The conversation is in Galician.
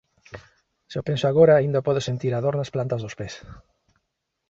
se o penso agora aínda podo sentir a dor nas plantas dos pés